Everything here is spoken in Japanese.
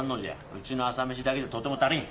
うちの朝飯だけじゃとても足りん。